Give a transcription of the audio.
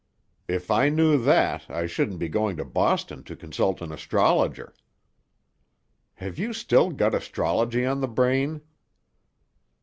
"If I knew that, I shouldn't be going to Boston to consult an astrologer." "Have you still got astrology on the brain?"